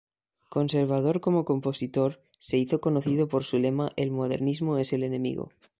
Conservador como compositor, se hizo conocido por su lema "el modernismo es el enemigo".